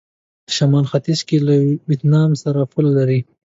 شمال ختيځ کې له ویتنام سره پوله لري.